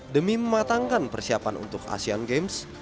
demi mematangkan persiapan untuk asean games